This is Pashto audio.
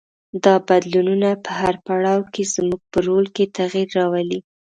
دا بدلونونه په هر پړاو کې زموږ په رول کې تغیر راولي.